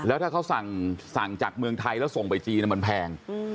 แล้วถ้าเขาสั่งจากเมืองไทยแล้วส่งไปจีนมันแพง